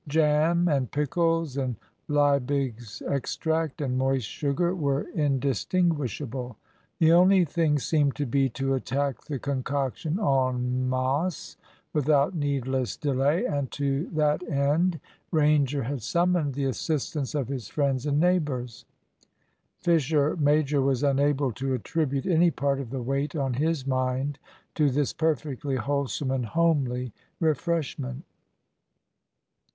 Jam, and pickles, and Liebig's extract, and moist sugar were indistinguishable. The only thing seemed to be to attack the concoction en masse, without needless delay, and to that end Ranger had summoned the assistance of his friends and neighbours. Fisher major was unable to attribute any part of the weight on his mind to this perfectly wholesome and homely refreshment.